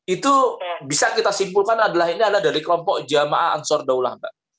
itu bisa kita simpulkan adalah ini adalah dari kelompok jamaah ansur daulah mbak